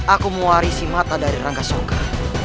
aku mewarisi mata dari rangkasoka